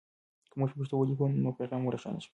که موږ په پښتو ولیکو نو پیغام مو روښانه وي.